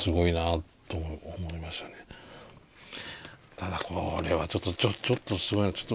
ただこれはちょっとすごいな。